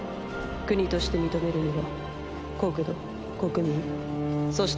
国として認めるには国土国民そして国王が必要。